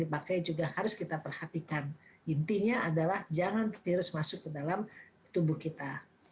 pakai juga harus kita perhatikan intinya adalah jangan virus masuk ke dalam tubuh kita